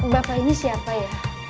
bapak ini siapa ya